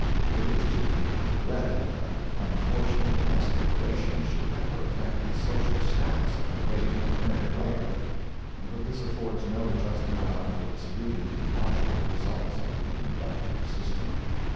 [It is to be regretted that unfortunate domestic relations should ever affect the social status of a great and learned writer; but this affords no just ground for disputing the logical results of the inductive system.